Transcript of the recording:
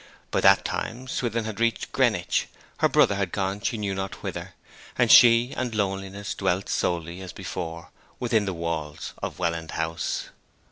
By that time Swithin had reached Greenwich; her brother had gone she knew not whither; and she and loneliness dwelt solely, as before, within the walls of Welland House.